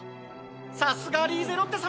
さすがリーゼロッテ様！